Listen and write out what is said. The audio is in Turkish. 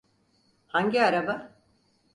Hangi araba?